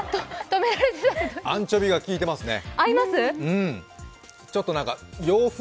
アンチョビが利いてますね。